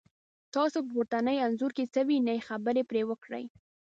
تاسو په پورتني انځور کې څه وینی، خبرې پرې وکړئ؟